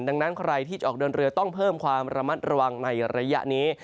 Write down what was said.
ดังนั้นใครที่จะออกเดินเรือต้องเพิ่มความระมัดระวังในระยะนี้